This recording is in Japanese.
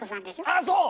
あっそう！